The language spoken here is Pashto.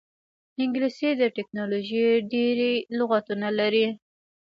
انګلیسي د ټیکنالوژۍ ډېری لغتونه لري